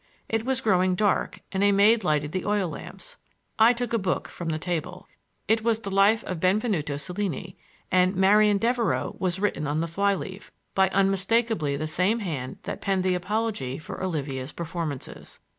It was growing dark and a maid lighted the oil lamps. I took a book from the table. It was The Life of Benvenuto Cellini and "Marian Devereux" was written on the fly leaf, by unmistakably the same hand that penned the apology for Olivia's performances.